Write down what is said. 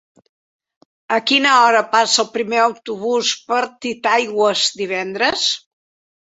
A quina hora passa el primer autobús per Titaigües divendres?